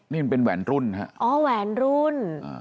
นี่มันเป็นแหวนรุ่นฮะอ๋อแหวนรุ่น